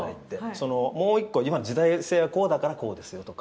そのもう一個今時代性がこうだからこうですよとか。